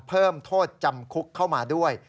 เพิ่มโทษจำคุกเข้ามาด้วย